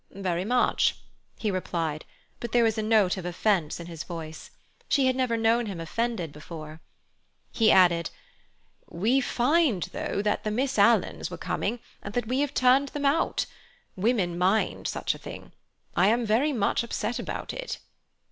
"Very much," he replied, but there was a note of offence in his voice; she had never known him offended before. He added: "We find, though, that the Miss Alans were coming, and that we have turned them out. Women mind such a thing. I am very much upset about it."